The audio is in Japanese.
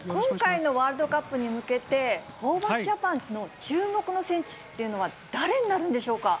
今回のワールドカップに向けて、ホーバスジャパン、注目の選手っていうのは、誰になるんでしょうか。